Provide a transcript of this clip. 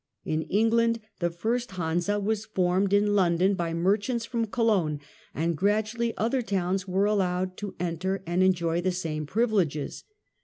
In England the first hansa was formed in London by merchants from Cologne, and gradually other towns were allowed to enter and enjoy the same privileges.